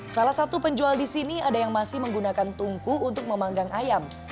salah satu penjual di sini ada yang masih menggunakan tungku untuk memanggang ayam